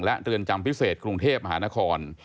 และเรือนจำพิเศษกรุงเทพมหานคร